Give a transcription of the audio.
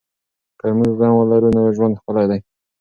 که موږ زغم ولرو نو ژوند ښکلی دی.